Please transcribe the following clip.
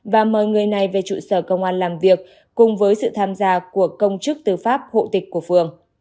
và mời người này về trụ sở công an làm việc cùng với sự tham gia của công chức tư pháp hộ tịch của phường